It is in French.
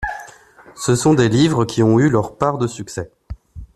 Ce sont des livres qui ont eu leur part de succès.